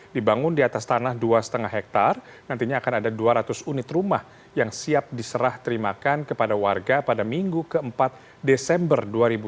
dibangun di atas tanah dua lima hektare nantinya akan ada dua ratus unit rumah yang siap diserah terimakan kepada warga pada minggu ke empat desember dua ribu dua puluh